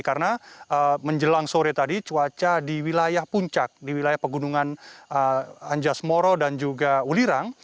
karena menjelang sore tadi cuaca di wilayah puncak di wilayah pegunungan anjas moro dan juga welirang